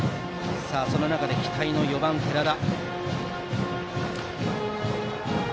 その中で期待の４番、寺田。